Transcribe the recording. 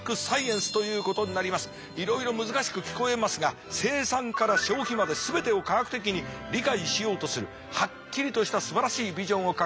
いろいろ難しく聞こえますが生産から消費まで全てを科学的に理解しようとするはっきりとしたすばらしいビジョンを掲げている大学です。